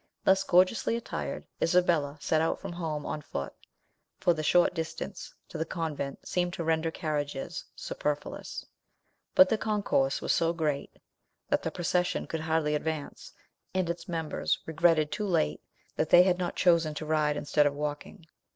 Thus gorgeously attired, Isabella set out from home on foot, for the short distance to the convent seemed to render carriages superfluous; but the concourse was so great that the procession could hardly advance, and its members regretted too late that they had not chosen to ride instead of walking.